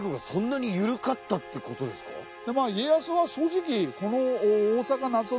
家康は正直この。